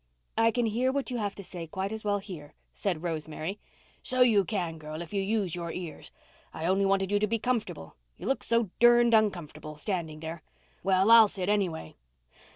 "I can hear what you have to say quite as well here," said Rosemary. "So you can, girl, if you use your ears. I only wanted you to be comfortable. You look so durned uncomfortable, standing there. Well, I'll sit anyway."